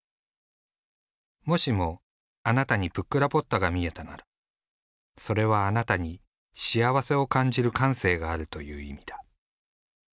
もしもあなたにプックラポッタが見えたならそれはあなたに幸せを感じる感性があるという意味だ。